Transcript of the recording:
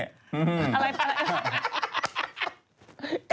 อะไรอะไร